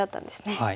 はい。